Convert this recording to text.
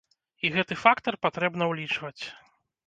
І гэты фактар патрэбна ўлічваць.